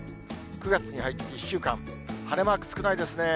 ９月に入って１週間、晴れマーク少ないですね。